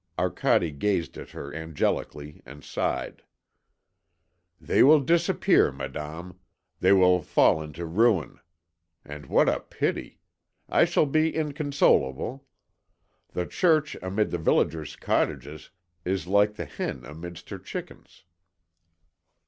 Arcade gazed at her angelically and sighed. "They will disappear, Madame; they will fall into ruin. And what a pity! I shall be inconsolable. The church amid the villagers' cottages is like the hen amidst her chickens."